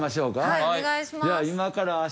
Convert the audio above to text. はいお願いします。